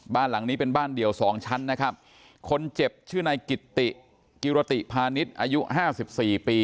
บ้านหลังนี้เป็นบ้านเดี่ยวสองชั้นนะครับคนเจ็บชื่อนายกิตติกิรติพาณิชย์อายุห้าสิบสี่ปี